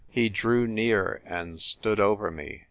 He drew near, and stood over me.